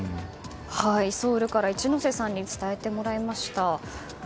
ソウルから、一之瀬さんに伝えてもらいました。